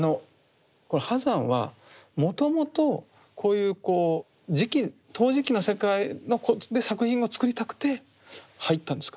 波山はもともとこういう磁器陶磁器の世界で作品を作りたくて入ったんですか？